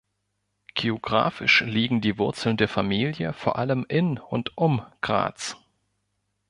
Geographisch liegen die Wurzeln der Familie vor allem in und um Graz.